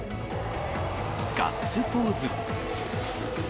ガッツポーズ。